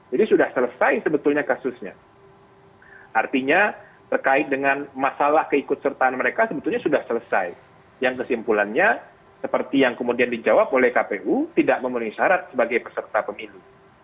ini sudah selesai sebetulnya kasusnya artinya terkait dengan masalah keikut sertaan mereka sebetulnya sudah selesai yang kesimpulannya seperti yang kemudian dijawab oleh kpu tidak memenuhi syarat sebagai peserta pemilu